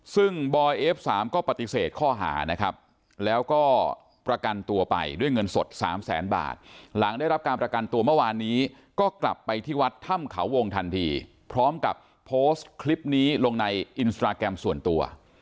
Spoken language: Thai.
ซึ่งบอยเอฟสามก็ปฏิเสธข้อหานะครับแล้วก็ประกันตัวไปด้วยเงินสด๓แสนบาทหลังได้รับการประกันตัวเมื่อวานนี้ก็กลับไปที่วัดถ้ำเขาวงทันทีพร้อมกับโพสต์คลิปนี้ลงในอินสตราแกรมส่วนตัว